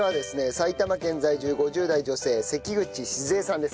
埼玉県在住５０代女性関口しづ江さんです。